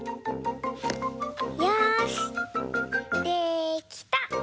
よしできた！